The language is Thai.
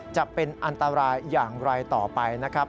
จะเป็นอันตรายอย่างไรต่อไปนะครับ